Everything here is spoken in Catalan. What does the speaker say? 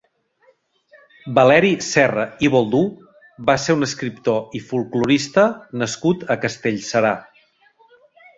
Valeri Serra i Boldú va ser un escriptor i folklorista nascut a Castellserà.